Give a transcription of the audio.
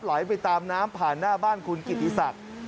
ไหลไปตามน้ำผ่านหน้าบ้านคุณกิติศักดิ์